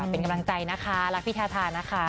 เป็นกำลังใจนะคะรักพี่ทาทานะคะ